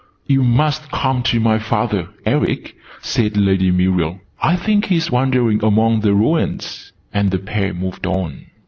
"You must come to my father, Eric," said Lady Muriel. "I think he's wandering among the ruins." And the pair moved on.